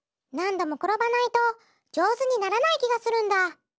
なんどもころばないとじょうずにならないきがするんだ。